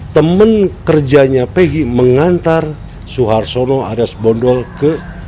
temen kerjanya pegi mengantar suharsono alias bondol ke